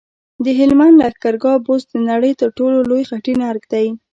د هلمند لښکرګاه بست د نړۍ تر ټولو لوی خټین ارک دی